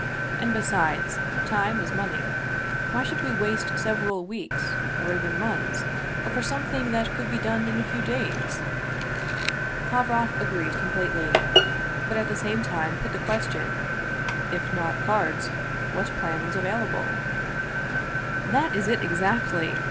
And, besides, time is money! Why should we waste several weeks, or even months, over something that could be done in a few days?" Kovroff agreed completely, but at the same time put the question, if not cards, what plan was available? " That is it exactly !